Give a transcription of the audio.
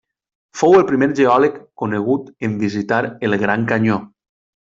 Fou el primer geòleg conegut en visitar el Gran Canyó.